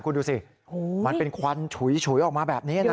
คุณดูสิมันเป็นควันฉุยออกมาแบบนี้นะ